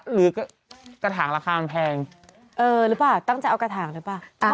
หรือกระถางราคามันแพงเออหรือเปล่าตั้งใจเอากระถางหรือเปล่า